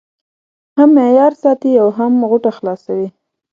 هم معیار ساتي او هم غوټه خلاصوي.